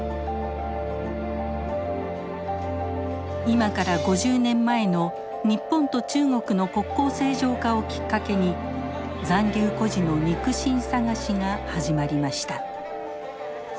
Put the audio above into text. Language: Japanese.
今から５０年前の日本と中国の国交正常化をきっかけに残留孤児の肉親探しが始まりました。